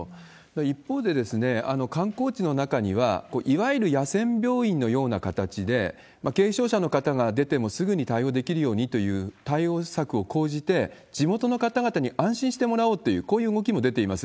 一方で、観光地の中には、いわゆる野戦病院のような形で、軽症者の方が出てもすぐに対応できるようにという対応策を講じて、地元の方々に安心してもらおうという、こういう動きも出ています。